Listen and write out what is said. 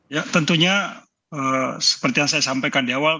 ya tentunya seperti yang saya sampaikan di awal